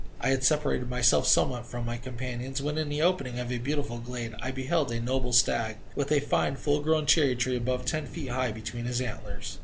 I had separated myself somewhat from my companions, when, in the opening of a beautiful glade, I beheld a noble stag, with a fine full grown cherry tree above ten feet high between his antlers.